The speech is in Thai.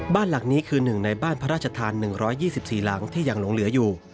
บ้านหลังนี้คือหนึ่งในบ้านพระราชทาน๑๒๔หลังที่ยังหลงเหลืออยู่